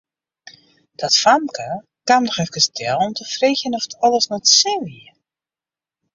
Dat famke kaam noch efkes del om te freegjen oft alles nei't sin wie.